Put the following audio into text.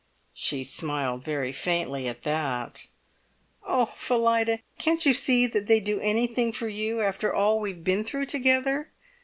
She smiled very faintly at that. "Oh, Phillida, can't you see that they'd do anything for you after all we've been through together?